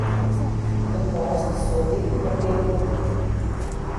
Bet parasti sodīti netiekot.